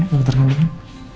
iya dokter ngelukin